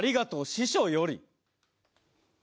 師匠より」